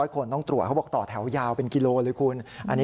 คนต้องตรวจเขาบอกต่อแถวยาวเป็นกิโลเลยคุณ